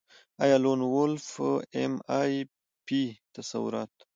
یا لون وولف ایم آی پي تصورات